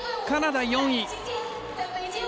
カナダ４位。